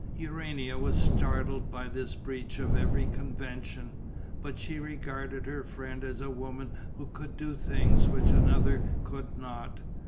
Urania was startled by this breach of every convention; but she regarded her friend as a woman who could do things which another could not.